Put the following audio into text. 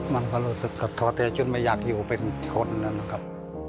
มันก็รู้สึกกระท้อแท้จนไม่อยากอยู่เป็นคนนะครับ